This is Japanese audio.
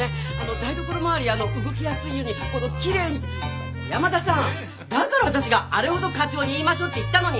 台所回り動きやすいようにきれいに小山田さんだから私があれほど課長に言いましょうって言ったのに！